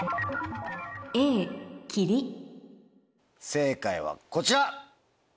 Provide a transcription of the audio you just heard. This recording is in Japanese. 正解はこちら！